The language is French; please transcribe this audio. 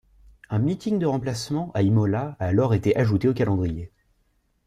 Un meeting de remplacement à Imola a alors été ajouté au calendrier.